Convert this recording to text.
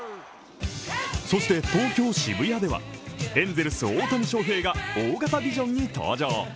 そして、東京・渋谷ではエンゼルス・大谷翔平が大型ビジョンに登場。